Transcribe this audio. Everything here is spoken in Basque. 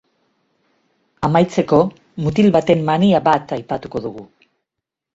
Amaitzeko, mutil baten mania bat aipatuko dugu.